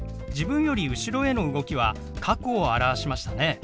自分より後ろへの動きは過去を表しましたね。